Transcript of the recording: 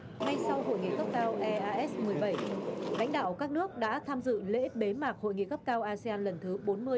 ngay sau hội nghị cấp cao eas một mươi bảy đánh đạo các nước đã tham dự lễ bế mạc hội nghị cấp cao asean lần thứ bốn mươi bốn mươi một